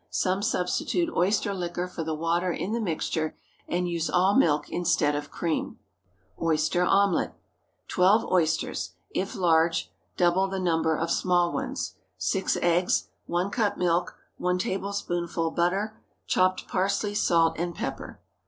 Some substitute oyster liquor for the water in the mixture, and use all milk instead of cream. OYSTER OMELET. ✠ 12 oysters, if large; double the number of small ones. 6 eggs. 1 cup milk. 1 tablespoonful butter. Chopped parsley, salt, and pepper.